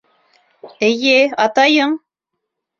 Эйе, атайың!..